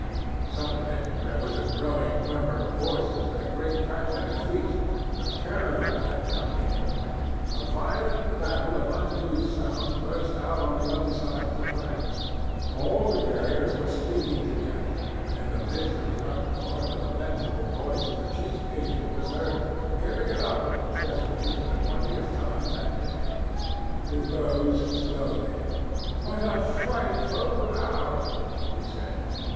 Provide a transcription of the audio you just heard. "Suddenly there was a growing murmur of voices and a great tramping of feet. A caravan had come in. A violent babble of uncouth sounds burst out on the other side of the planks. All the carriers were speaking together, and in the midst of the uproar the lamentable voice of the chief agent was heard 'giving it up' tearfully for the twentieth time that day. ... He rose slowly. 'What a frightful row,' he said.